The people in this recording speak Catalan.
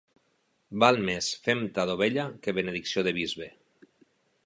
Val més femta d'ovella que benedicció de bisbe.